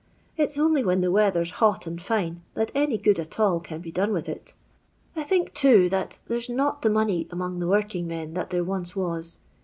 "it's only when the weather's hot and fine that any good at an can be done with it I think, too, that there's not the money among working men that there once was.